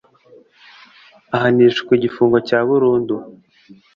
ahanishwa igifungo cya burundu